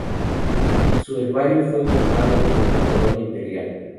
Su herbario fue comprado por la corona imperial.